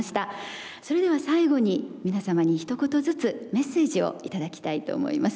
それでは最後に皆様にひと言ずつメッセージを頂きたいと思います。